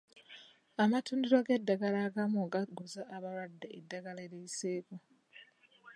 Amatundiro g'eddagala agamu gaguza abalwadde eddagala eriyiseeko.